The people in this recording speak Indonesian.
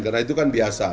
karena itu kan biasa